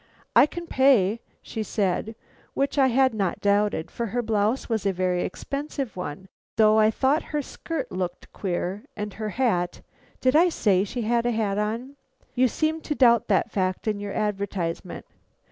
"'I can pay,' she said, which I had not doubted, for her blouse was a very expensive one; though I thought her skirt looked queer, and her hat Did I say she had a hat on? You seemed to doubt that fact in your advertisement.